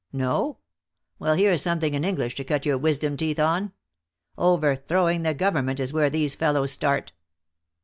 No? Well, here's something in English to cut your wisdom teeth on. Overthrowing the government is where these fellows start."